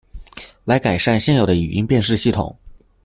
來改善現有的語音辨識系統